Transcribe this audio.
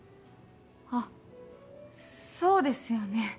あっそうですよね。